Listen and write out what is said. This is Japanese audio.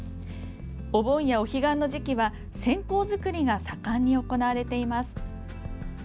お盆や、お彼岸の時期は線香作りが盛んに行われています。